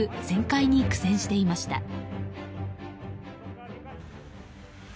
旋回に苦戦していました。